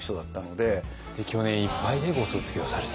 で去年いっぱいでご卒業されて。